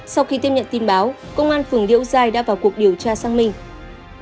sau khi tiếp nhận tin báo công an phường liễu sai đã vào cuộc điều tra sang mình